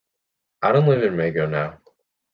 I don’t live in Maigo now.